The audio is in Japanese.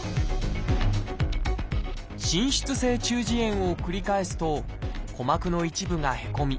浸出性中耳炎を繰り返すと鼓膜の一部がへこみ